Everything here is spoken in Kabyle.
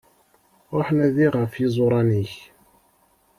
Ruḥ nadi ɣef yiẓuran-ik.